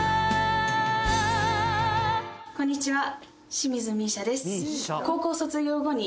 こんにちは。